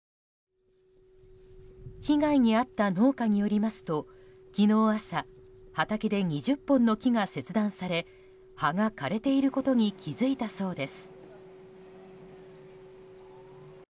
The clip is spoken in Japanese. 被害に遭った農家によりますと昨日朝畑で２０本の木が切断され葉が枯れていることに気づいたそうです。